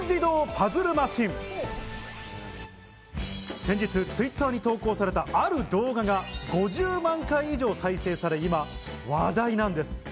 先日、Ｔｗｉｔｔｅｒに投稿されたある動画が５０万回以上再生され、今話題なんです。